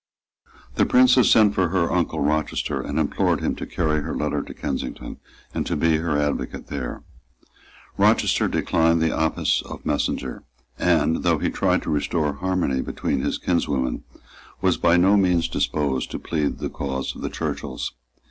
The Princess sent for her uncle Rochester, and implored him to carry her letter to Kensington, and to be her advocate there. Rochester declined the office of messenger, and, though he tried to restore harmony between his kinswomen, was by no means disposed to plead the cause of the Churchills.